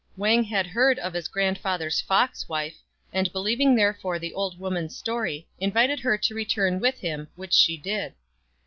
Wang had heard of his grandfather's fox wife, and believing therefore the old woman's story, invited her to return with him, which she did.